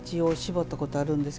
私やったことあるんです。